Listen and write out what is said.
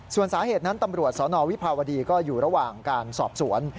ส่วนสาเหตุนั้นตำรวจสนวิภาวดีก็อยู่ระหว่างการสอบสวน